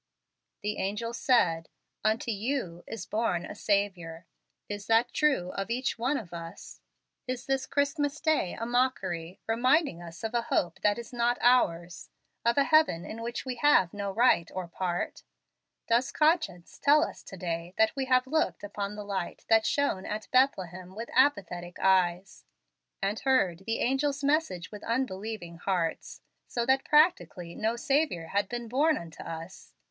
The angel said, 'Unto YOU is born a Saviour.' Is that true of each one of us? Is this Christmas day a mockery, reminding us of a hope that is not ours, of a heaven in which we have no right or part? Does conscience tell us to day that we have looked upon the light that shone at Bethlehem with apathetic eyes, and heard the angel's message with unbelieving hearts, so that practically no Saviour has been born unto us?